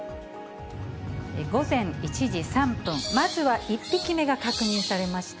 午前１時３分、まずは１匹目が確認されました。